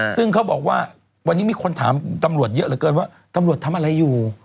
ซึ่งเขาบอกว่าวันนี้มีคนถามตำรวจเยอะเหลือเกินว่าตำรวจทำอะไรอยู่